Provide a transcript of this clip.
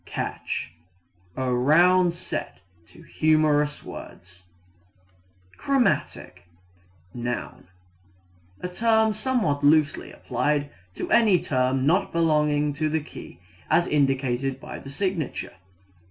Catch a round set to humorous words. Chromatic (noun) a term somewhat loosely applied to any tone not belonging to the key as indicated by the signature.